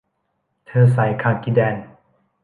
เธอใส่คาร์กิแดน